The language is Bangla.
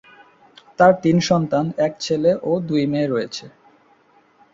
তার তিন সন্তান, এক ছেলে ও দুই মেয়ে রয়েছে।